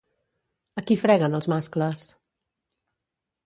A qui freguen els mascles?